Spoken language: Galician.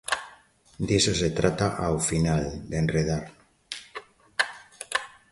Diso se trata ao final, de enredar.